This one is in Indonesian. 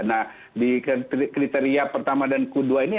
nah di kriteria pertama dan kedua ini